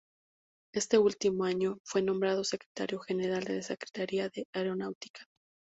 Ese último año, fue nombrado secretario general de la Secretaría de Aeronáutica.